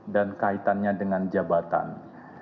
dan kaitannya dengan penerimaan uangnya